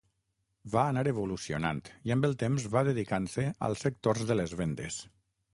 Va anar evolucionant i amb el temps va dedicant-se al sector de les vendes.